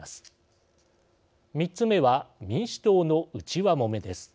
３つ目は民主党の内輪もめです。